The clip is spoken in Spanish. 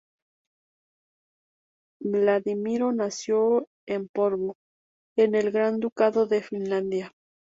Vladimiro nació el en Porvoo en el Gran Ducado de Finlandia.